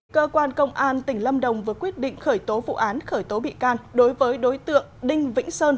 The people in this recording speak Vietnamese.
cơ quan công an tỉnh lâm đồng vừa quyết định khởi tố vụ án khởi tố bị can đối với đối tượng đinh vĩnh sơn